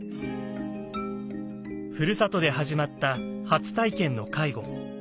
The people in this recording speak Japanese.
ふるさとで始まった初体験の介護。